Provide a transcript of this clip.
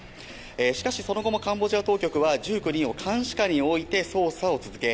しかし、その後もカンボジア当局は１９人を監視下に置いて捜査を続け